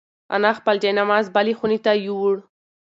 انا خپل جاینماز بلې خونې ته یووړ.